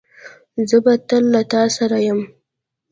زه به تل له تاسره یم